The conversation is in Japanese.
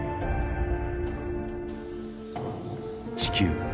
地球。